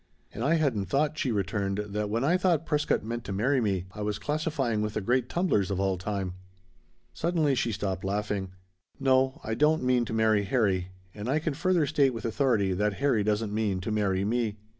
"And I hadn't thought," she returned, "that when I thought Prescott meant to marry me I was classifying with the great tumblers of all time!" Suddenly she stopped laughing. "No, I don't mean to marry Harry, and I can further state with authority that Harry doesn't mean to marry me."